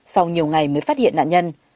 sau nhiều ngày mới phát hiện nạn nhân